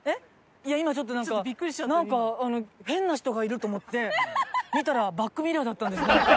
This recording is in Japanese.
今ちょっとなんか変な人がいると思って見たらバックミラーだったんですね。